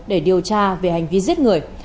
để điều tra về hành vi giết người